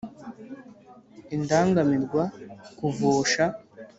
Indangamirwa kuvusha